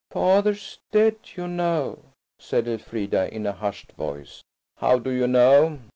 "Father's dead, you know," said Elfrida, in a hushed voice. "How do you know?"